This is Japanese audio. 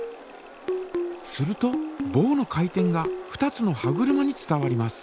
するとぼうの回転が２つの歯車に伝わります。